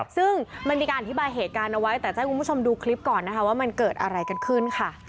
ซึ่งมันมีการอธิบายเหตุการณ์เอาไว้แต่จะให้คุณผู้ชมดูคลิปก่อนนะคะว่ามันเกิดอะไรกันขึ้นค่ะ